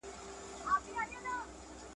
زه کولای سم سندري واورم!.